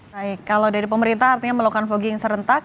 baik kalau dari pemerintah artinya melakukan fogging serentak